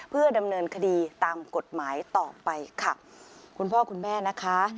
เพื่อดำเนินคดีตามกฎหมายต่อไปค่ะคุณพ่อคุณแม่นะคะ